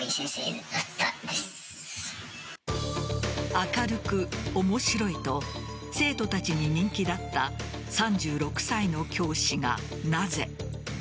明るく、面白いと生徒たちに人気だった３６歳の教師がなぜ。